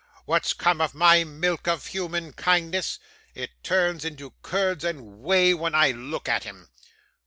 What's come of my milk of human kindness? It turns into curds and whey when I look at him.